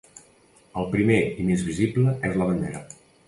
El primer i més visible és la bandera.